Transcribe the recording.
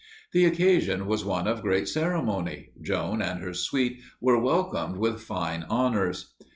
The occasion was one of great ceremony Joan and her suite were welcomed with fine honors.